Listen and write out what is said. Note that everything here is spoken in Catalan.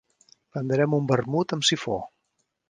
Prendrem un vermut amb sifó.